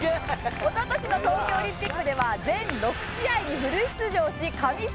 一昨年の東京オリンピックでは全６試合にフル出場し神セーブを連発。